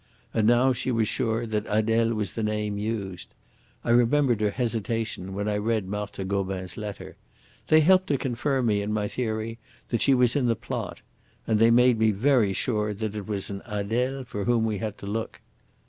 And now she was sure that Adele was the name used. I remembered her hesitation when I read Marthe Gobin's letter. They helped to confirm me in my theory that she was in the plot; and they made me very sure that it was an Adele for whom we had to look.